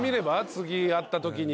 次会った時に。